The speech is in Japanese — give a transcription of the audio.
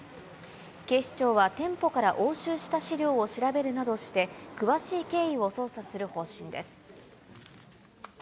警視庁は店舗から押収した資料を調べるなどして、詳しい経緯を捜査する方針です。